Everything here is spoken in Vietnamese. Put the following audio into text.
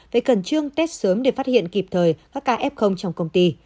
phải cần chương tết sớm để phát hiện kịp thời các kf trong công ty